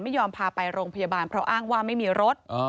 ไม่ยอมพาไปโรงพยาบาลเพราะอ้างว่าไม่มีรถ